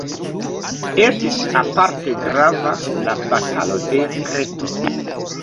Estis aparte grava la Batalo de Kreto.